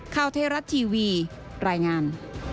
ข่าวเทราะตีวีรายงาน